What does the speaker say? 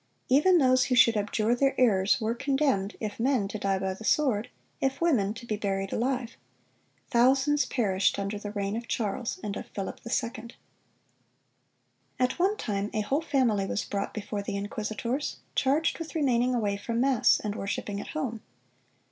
Even those who should abjure their errors, were condemned, if men, to die by the sword; if women, to be buried alive. Thousands perished under the reign of Charles and of Philip II. At one time a whole family was brought before the inquisitors, charged with remaining away from mass, and worshiping at home.